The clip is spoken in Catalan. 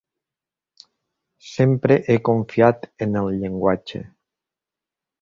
Sempre he confiat en el llenguatge.